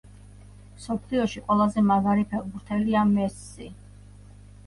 მსოფლიოში ყველაზე მაგარი ფეხბურთელია მესსი.